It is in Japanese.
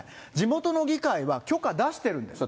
地元の議会は許可出してるんです。